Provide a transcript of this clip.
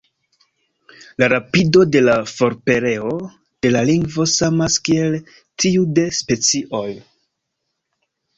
La rapido de la forpereo de la lingvo samas kiel tiu de specioj.